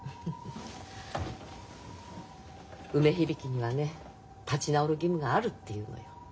梅響にはね立ち直る義務があるっていうのよ。